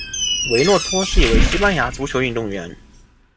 维托洛是一位西班牙足球运动员。